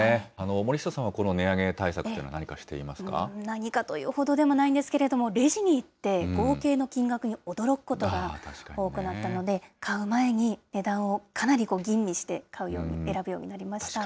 森下さんは、この値上げ対策とい何かというほどでもないんですけれども、レジに行って、合計の金額に驚くことが多くなったので、買う前に値段をかなり吟味して、選ぶようになりました。